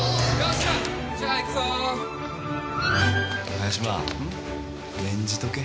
萱島念じとけ。